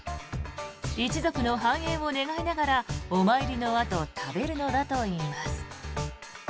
一族の繁栄を願いながらお参りのあと食べるのだといいます。